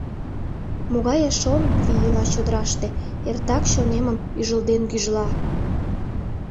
Могае шолып вий ила чодыраште, эртак чонемым ӱжылден гӱжла.